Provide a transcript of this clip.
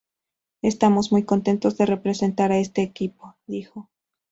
Estamos muy contentos de representar a este equipo", dijo.